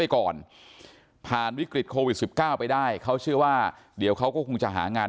ก่อนผ่านวิกฤตโควิด๑๙ไปได้เขาเชื่อว่าเดี๋ยวเขาก็คงจะหางาน